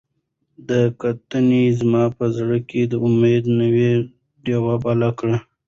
دې کتنې زما په زړه کې د امید نوې ډیوې بلې کړې.